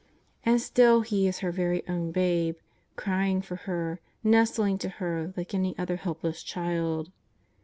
And still He is her very own Babe, crying for her, nestling to her like any other help less child.